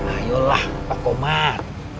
ayolah pak komar